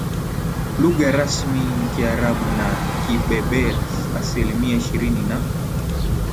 Lugha rasmi ni Kiarabu na Kiberbers asilimia ishirini na